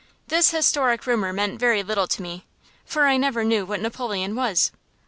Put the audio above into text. This historic rumor meant very little to me, for I never knew what Napoleon was.